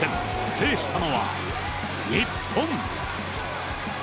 制したのは日本！